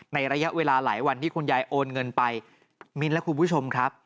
ระยะเวลาหลายวันที่คุณยายโอนเงินไปมิ้นและคุณผู้ชมครับ